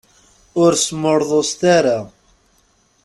Ur smurḍuset ara.